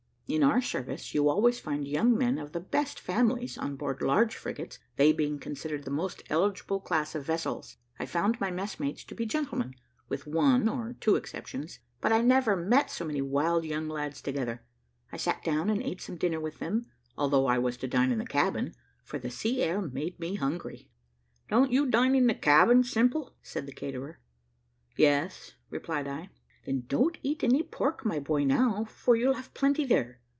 In our service you always find young men of the best families on board large frigates, they being considered the most eligible class of vessels; I found my messmates to be gentlemen, with one or two exceptions, but I never met so many wild young lads together. I sat down and ate some dinner with them, although I was to dine in the cabin, for the sea air made me hungry. "Don't you dine in the cabin, Simple?" said the caterer. "Yes," replied I. "Then don't eat any pork, my boy, now, for you'll have plenty there.